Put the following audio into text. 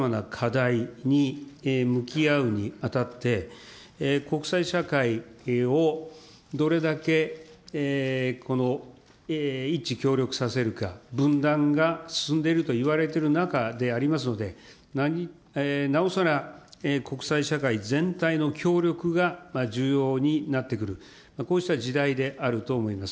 今、国際社会におけるさまざまな課題に向き合うにあたって、国際社会をどれだけこの一致協力させるか、分断が進んでいるといわれている中でありますので、なおさら国際社会全体の協力が重要になってくる、こうした時代であると思います。